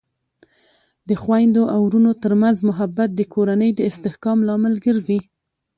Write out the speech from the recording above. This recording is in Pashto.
د خویندو او ورونو ترمنځ محبت د کورنۍ د استحکام لامل ګرځي.